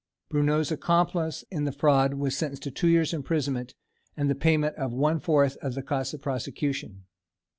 Bruneau's accomplice in the fraud was sentenced to two years' imprisonment, and the payment of one fourth of the cost of the prosecution.